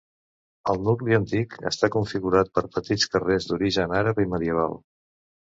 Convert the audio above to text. El nucli antic està configurat per petits carrers, d'origen àrab i medieval.